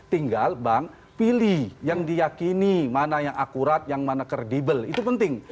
tinggal bang pilih yang diyakini mana yang akurat yang mana kredibel itu penting